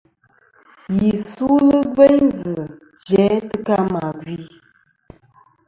Yi sulɨ gveyn zɨ̀ jæ tɨ ka mà gvi.